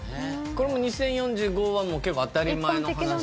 これも２０４５は結構当たり前の話？